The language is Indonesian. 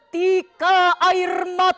tuhan yang maha rahman